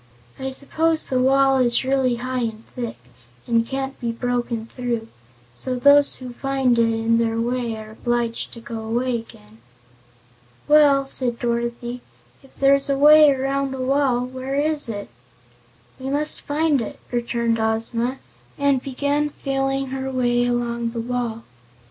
I suppose the wall is really high and thick, and can't be broken through, so those who find it in their way are obliged to go away again." "Well," said Dorothy, "if there's a way around the wall, where is it?" "We must find it," returned Ozma, and began feeling her way along the wall.